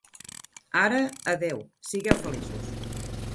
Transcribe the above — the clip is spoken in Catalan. Ara, adéu, sigueu feliços!